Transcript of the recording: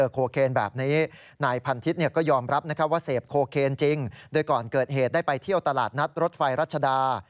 โคเคนแบบนี้นายพันทิศก็ยอมรับว่าเสพโคเคนจริงโดยก่อนเกิดเหตุได้ไปเที่ยวตลาดนัดรถไฟรัชดา